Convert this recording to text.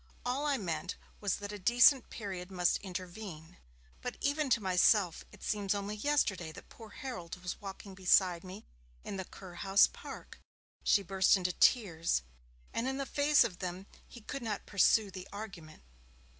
All I meant was that a decent period must intervene. But even to myself it seems only yesterday that poor Harold was walking beside me in the Kurhaus Park.' She burst into tears, and in the face of them he could not pursue the argument.